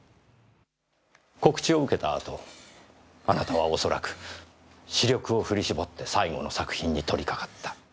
告知を受けた後あなたは恐らく死力を振り絞って最後の作品に取りかかった。